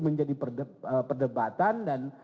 menjadi perdebatan dan